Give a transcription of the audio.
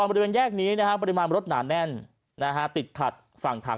มันเป็นแยกนี้นะฮะปริมาณมรถหนาแน่นนะฮะติดขัดฝั่งขา